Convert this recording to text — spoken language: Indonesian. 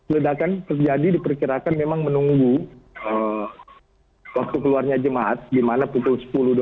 ledakan terjadi diperkirakan memang menunggu waktu keluarnya jemaat di mana pukul sepuluh dua puluh